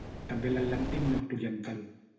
També a l'Atlàntic nord-oriental.